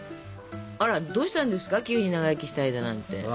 あらどうしたんですか急に長生きしたいだなんて。